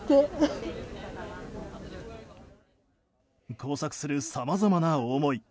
交錯する、さまざまな思い。